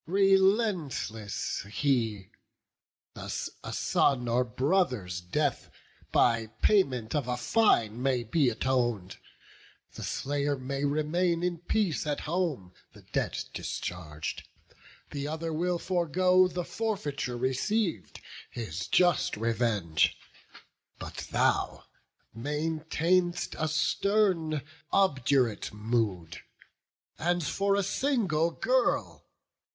Relentless he! a son's or brother's death, By payment of a fine, may be aton'd; The slayer may remain in peace at home, The debt discharg'd; the other will forego, The forfeiture receiv'd, his just revenge; But thou maintain'st a stern, obdurate mood. And for a single girl!